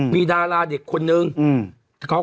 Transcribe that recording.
มีดาราเด็กคนนึง